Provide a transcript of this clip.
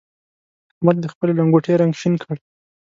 احمد د خپلې لنګوټې رنګ شين کړ.